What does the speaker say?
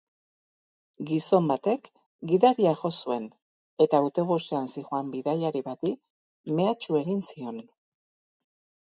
Gizon batek gidaria jo zuen eta autobusean zihoan bidaiari bati mehatxu egin zion.